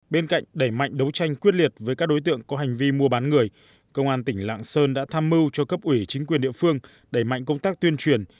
bên cạnh đẩy mạnh đấu tranh quyết liệt với các đối tượng có hành vi mua bán người công an tỉnh lạng sơn đã tham mưu cho cấp ủy chính quyền địa phương đẩy mạnh công tác tuyên truyền